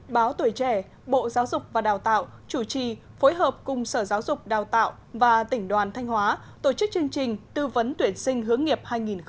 báo tuổi trẻ bộ giáo dục và đào tạo chủ trì phối hợp cùng sở giáo dục đào tạo và tỉnh đoàn thanh hóa tổ chức chương trình tư vấn tuyển sinh hướng nghiệp hai nghìn hai mươi